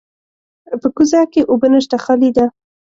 په کوزه کې اوبه نشته، خالي ده.